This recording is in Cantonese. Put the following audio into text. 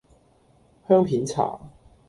香片茶